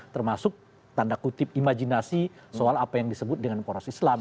termasuk tanda kutip imajinasi soal apa yang disebut dengan poros islam